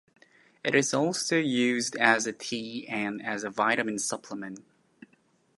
It is also used as a tea and as a vitamin supplement.